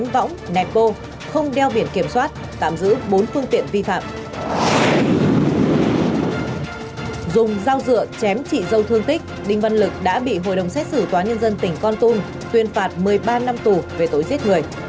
vì dâu thương tích đinh văn lực đã bị hội đồng xét xử tòa nhân dân tỉnh con tung tuyên phạt một mươi ba năm tù về tối giết người